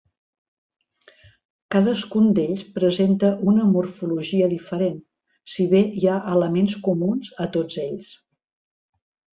Cadascun d'ells presenta una morfologia diferent, si bé hi ha elements comuns a tots ells.